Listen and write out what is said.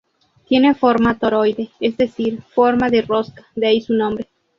Tiene forma toroide, es decir, forma de rosca, de ahí su nombre.